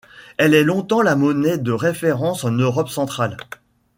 Elle est longtemps la monnaie de référence en Europe centrale.